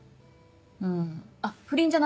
うんあっ不倫じゃないよ。